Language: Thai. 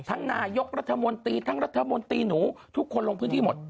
ทั้งนายกรัฐมนตรีทั้งรัฐมนตรีหนูทุกคนลงพื้นที่หมด